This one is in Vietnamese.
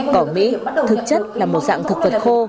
cỏ mỹ thực chất là một dạng thực vật khô